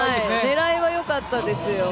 狙いは良かったんですよ。